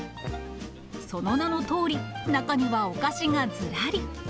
その名のとおり、中にはお菓子がずらり。